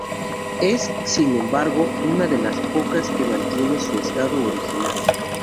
Es, sin embargo, una de las pocas que mantiene su estado original.